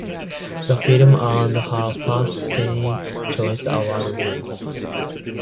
The film earned her first Teen Choice Award win.